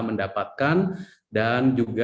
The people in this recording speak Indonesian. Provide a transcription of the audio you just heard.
mendapatkan dan kemudian kita juga